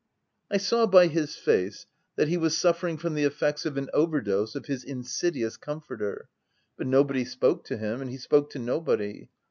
I saw by his face that he was suffering from the effects of an overdose of his insidious comforter ; but nobody spoke to him, and he spoke to nobody.